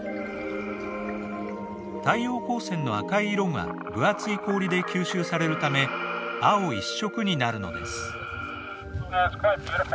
太陽光線の赤い色が分厚い氷で吸収されるため青一色になるのです。